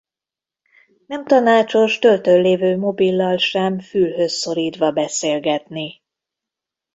Nem tanácsos töltőn lévő mobillal sem fülhöz szorítva beszélgetni.